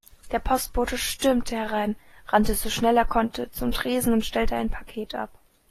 Der Postbote stürmte herein, rannte so schnell er konnte zum Tresen und stellte ein Paket ab.